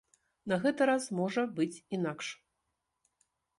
На гэты раз можа быць інакш.